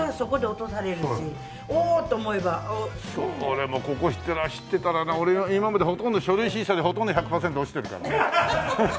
俺もここ知ってたら俺今までほとんど書類審査でほとんど１００パーセント落ちてるから。